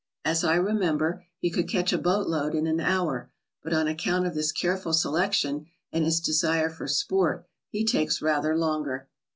As I remember, he could catch a boat load in an hour, but on account of this careful selection and his desire for sport he takes rather longer.